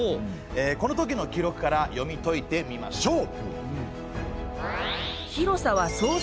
この時の記録から読み解いてみましょう。